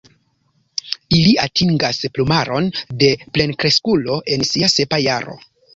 Ili atingas plumaron de plenkreskulo en sia sepa jaro.